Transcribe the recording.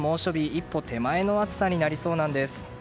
一歩手前の暑さになりそうなんです。